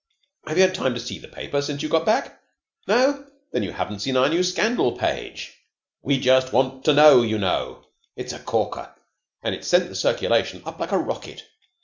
Have you had time to see the paper since you got back? No? Then you haven't seen our new Scandal Page 'We Just Want to Know, You Know.' It's a corker, and it's sent the circulation up like a rocket.